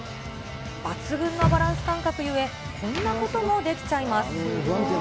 抜群のバランス感覚ゆえ、こんなこともできちゃいます。